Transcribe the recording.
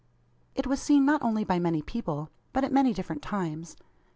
It was seen not only by many people; but at many different times.